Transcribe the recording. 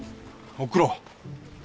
送ろう。